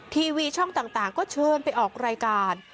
ทีวีช่องต่างก็เชิญไปออกรายการ